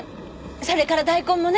それから大根もね。